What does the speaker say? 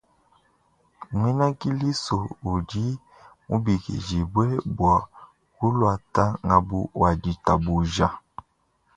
Muena kilisto udi mubikidibue bua kuluata ngabu wa ditabuja.